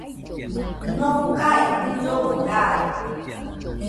Nokae muidomo raɨ